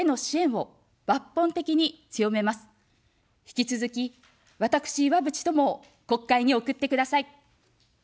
引き続き、私、いわぶち友を国会に送ってください。